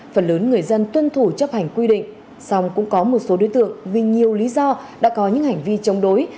phần lớn người dân tuân thủ chấp hành quy định song cũng có một số đối tượng vì nhiều lý do đã có những hành vi chống đối